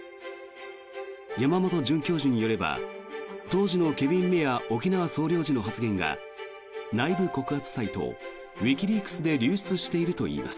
山本准教授によれば当時のケビン・メア沖縄総領事の発言が内部告発サイトウィキリークスで流出しているといいます。